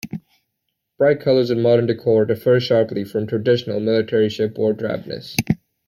Bright colors and modern decor differ sharply from traditional military shipboard drabness.